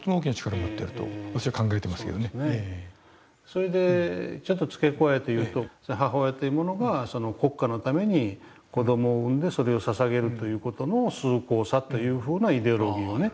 それでちょっと付け加えて言うと母親というものが国家のために子どもを産んでそれをささげるという事の崇高さというふうなイデオロギーをね利用してる。